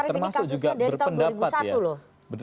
tapi mas arief ini kasusnya dari tahun dua ribu satu loh